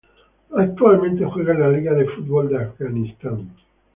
Actualmente juega en la Liga de Fútbol de Afganistán.